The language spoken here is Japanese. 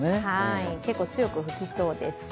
結構強く吹きそうです。